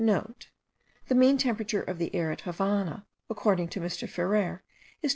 *(* The mean temperature of the air at the Havannah, according to Mr. Ferrer, is 25.